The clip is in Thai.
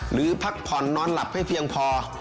พักผ่อนนอนหลับให้เพียงพอ